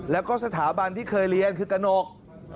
แล้วก็สถาบันที่เคยเรียนคือกระหนก